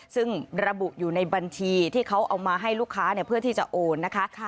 ซึ่งระบุอยู่ในบัญชีที่เขาเอามาให้ลูกค้าเพื่อที่จะโอนนะคะ